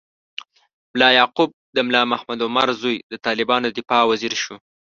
ملا یعقوب، د ملا محمد عمر زوی، د طالبانو د دفاع وزیر شو.